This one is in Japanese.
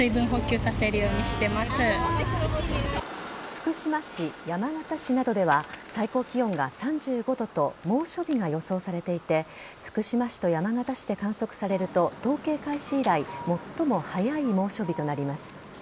福島市、山形市などでは最高気温が３５度と猛暑日が予想されていて福島市と山形市で観測されると統計開始以来、最も早い猛暑日となります。